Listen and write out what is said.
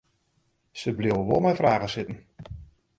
Se bliuwe wol mei fragen sitten.